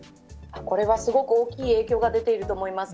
これはすごく大きい影響が出ていると思います。